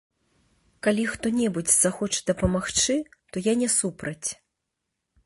Калі хто-небудзь захоча дапамагчы, то я не супраць.